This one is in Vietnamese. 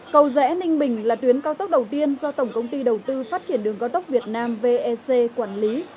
cầu dễ ninh bình là tuyến cao tốc đầu tiên do tổng công ty đầu tư phát triển đường cao tốc việt nam vec quản lý